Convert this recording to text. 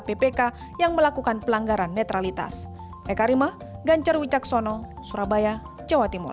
ppk yang melakukan pelanggaran netralitas ekarimah gancer wicaksono surabaya jawa timur